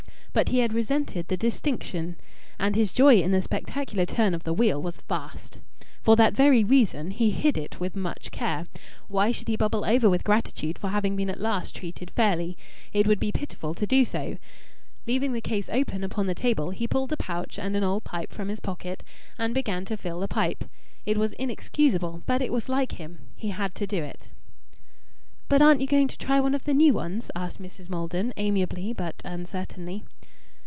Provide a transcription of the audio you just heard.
But he had resented the distinction. And his joy in the spectacular turn of the wheel was vast. For that very reason he hid it with much care. Why should he bubble over with gratitude for having been at last treated fairly? It would be pitiful to do so. Leaving the case open upon the table, he pulled a pouch and an old pipe from his pocket, and began to fill the pipe. It was inexcusable, but it was like him he had to do it. "But aren't you going to try one of the new ones?" asked Mrs. Maldon, amiably but uncertainly.